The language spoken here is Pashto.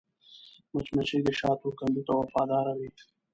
مچمچۍ د شاتو کندو ته وفاداره وي